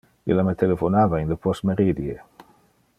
Illa me telephonava in le postmeridie.